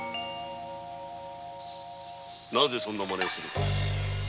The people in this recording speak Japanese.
なぜそんな事をする？